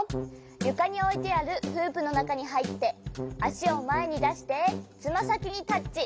ゆかにおいてあるフープのなかにはいってあしをまえにだしてつまさきにタッチ。